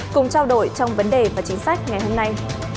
cùng trao đổi trong vấn đề và chính sách ngày hôm nay